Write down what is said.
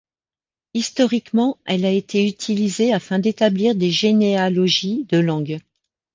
Historiquement, elle a été utilisée afin d’établir des généalogies de langues.